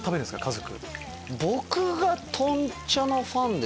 家族。